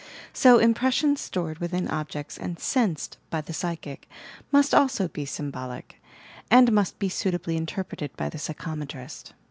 — So, impressions stored within objects and "sensed" by the PSYCHOMETRY 87 psychic, must also be symbolic, and must be suitably interpreted by the psychometrist.